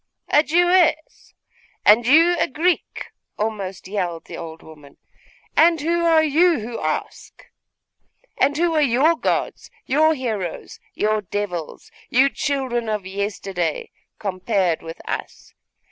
'A Jewess? And you a Greek?' almost yelled the old woman. 'And who are you who ask? And who are your gods, your heroes, your devils, you children of yesterday, compared with us?